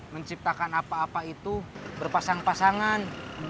menciptakan apa apa itu berpasang pasangan